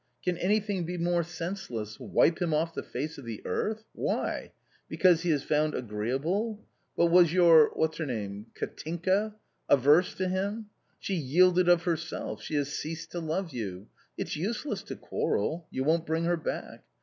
Can anything be more senseless — wipe him off the face of the earth ! why ? because he is found agreeable ! But was your — what's her name ?— Katinka — averse to him ? She yielded of herself, she has ceased to love you — it's useless to quarrel — you won't bring her back